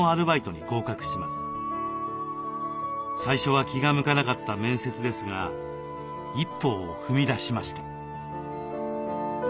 最初は気が向かなかった面接ですが一歩を踏み出しました。